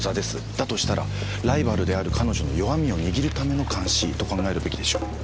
だとしたらライバルである彼女の弱みを握るための監視と考えるべきでしょう。